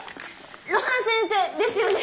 露伴先生ですよね。